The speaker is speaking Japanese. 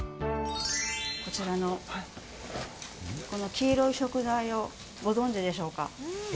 こちらの黄色い食材をご存じでしょうか。